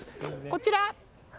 こちら！